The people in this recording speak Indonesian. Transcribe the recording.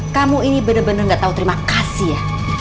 kamu ini bener bener gak tau terima kasih ya